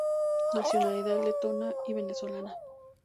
Nacionalidad letona y venezolana.